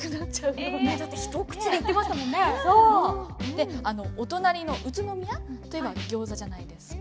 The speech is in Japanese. であのお隣の宇都宮といえば餃子じゃないですか。